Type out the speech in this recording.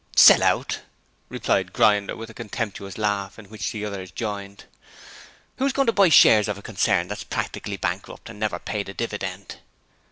'Sell out!' replied Grinder with a contemptuous laugh in which the others joined. 'Who's going to buy the shares of a concern that's practically bankrupt and never paid a dividend?'